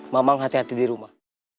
memang hati hati di rumah